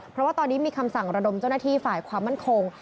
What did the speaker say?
เพราะว่าตอนนี้มีคำสั่งระดมเจ้าหน้าที่ฝ่ายความมั่นคง